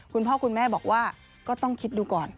คุณพ่อคุณแม่บอกว่าก็ต้องคิดดูก่อน